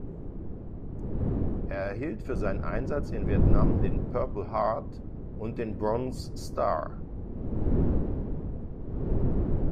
Er erhielt für seinen Einsatz in Vietnam den Purple Heart und den Bronze Star.